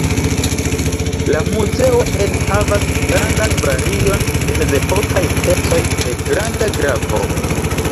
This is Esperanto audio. La muzeo enhavas grandan varion de mezepokaj pecoj de granda gravo.